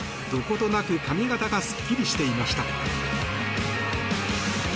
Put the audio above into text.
どことなく髪形がすっきりしていました。